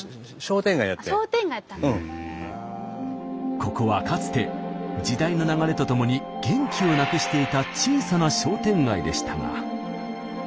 ここはかつて時代の流れとともに元気をなくしていた小さな商店街でしたが。